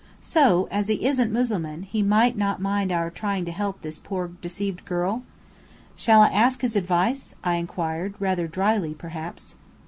So, as he isn't Mussulman, he might not mind our trying to help this poor deceived girl?" "Shall I ask his advice?" I inquired, rather drily perhaps.